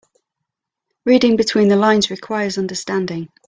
Reading between the lines requires understanding.